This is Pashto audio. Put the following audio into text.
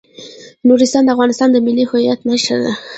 نورستان د افغانستان د ملي هویت نښه ده.